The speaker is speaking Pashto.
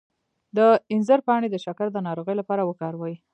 د انځر پاڼې د شکر د ناروغۍ لپاره وکاروئ